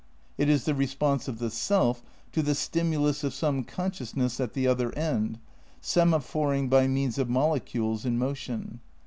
It is the response of the self to the stimulus of some consciousness "at the other end," semaphor ing by means of molecules in motion.